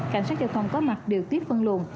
cảnh sát giao thông có mặt điều tiết phân luồn